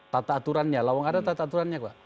tata aturannya lawang ada tata aturannya pak